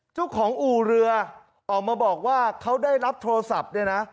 เจ้าของอู่เรือออกมาบอกว่าเขาได้รับโทรศัพท์